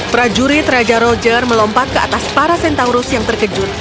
prajurit raja roger melompat ke atas para centaurus yang terkejut